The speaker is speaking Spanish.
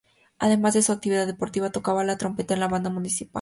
Además de su actividad deportiva, tocaba la trompeta en la Banda Municipal.